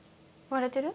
割れてる！